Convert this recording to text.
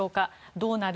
どうなる？